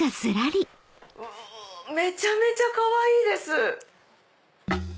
めちゃめちゃかわいいです。